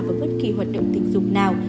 với bất kỳ hoạt động tình dục nào